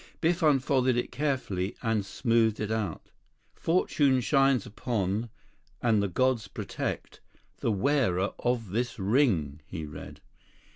Biff unfolded it carefully and smoothed it out. "Fortune shines upon, and the gods protect, the wearer of this ring," he read.